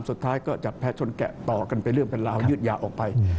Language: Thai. สุดท้ายก็จับแพ้ชนแกะต่อกันเป็นเรื่องเป็นราวยืดยาวออกไป